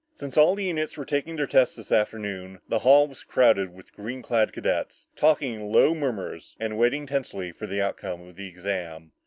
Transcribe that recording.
Since all the units were taking their tests that afternoon, the hall was crowded with green clad cadets, talking in low murmurs and waiting tensely for the outcome of the exam.